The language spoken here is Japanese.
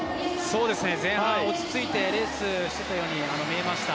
前半は落ち着いてレースをしていたように見えました。